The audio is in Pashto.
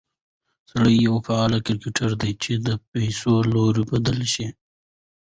سړى يو فعال کرکټر دى، چې د پېښو لورى بدلولى شي